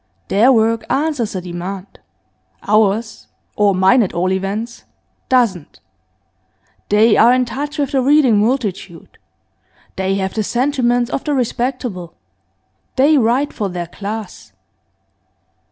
Their work answers a demand; ours or mine at all events doesn't. They are in touch with the reading multitude; they have the sentiments of the respectable; they write for their class.